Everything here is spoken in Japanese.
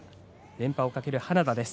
連覇をかける花田です。